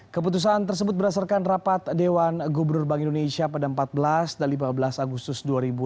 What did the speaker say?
keputusan tersebut berdasarkan rapat dewan gubernur bank indonesia pada empat belas dan lima belas agustus dua ribu enam belas